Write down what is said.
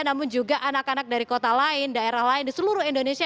namun juga anak anak dari kota lain daerah lain di seluruh indonesia